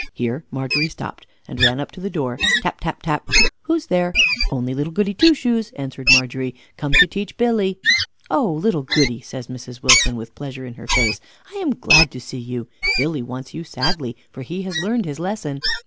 Here Margery stopped, and ran up to the door, tap, tap, tap. "Who's there?" "Only Little Goody Two Shoes," answered Margery, "come to teach Billy." "Oh! Little Goody," says Mrs. Wilson, with pleasure in her face, "I am glad to see you Billy wants you sadly for he has learned his lesson."